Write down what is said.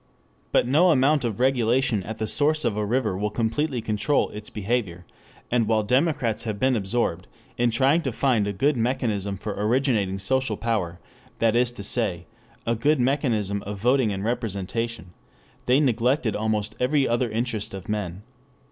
But no amount of regulation at the source of a river will completely control its behavior, and while democrats have been absorbed in trying to find a good mechanism for originating social power, that is to say a good mechanism of voting and representation, they neglected almost every other interest of men.